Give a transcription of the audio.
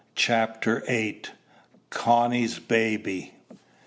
CHAPTER VIII. CONNIE'S BABY.